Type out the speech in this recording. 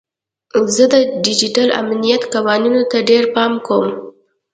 زه د ډیجیټل امنیت قوانینو ته ډیر پام کوم.